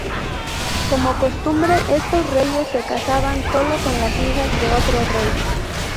Como costumbre, estos reyes se casaban sólo con las hijas de otro rey.